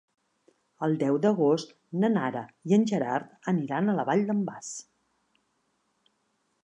El deu d'agost na Nara i en Gerard aniran a la Vall d'en Bas.